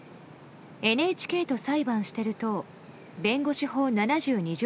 ＮＨＫと裁判してる党弁護士法７２条